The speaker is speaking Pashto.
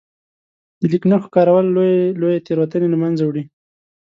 د لیک نښو کارول لويې لويې تېروتنې له منځه وړي.